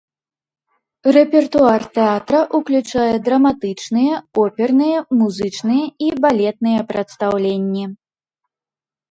Рэпертуар тэатра ўключае драматычныя, оперныя, музычныя і балетныя прадстаўленні.